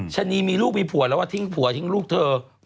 ชะนีมีลูกมีผัวแล้วทิ้งผัวทิ้งลูกเธอ